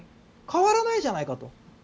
変わらないじゃないかと。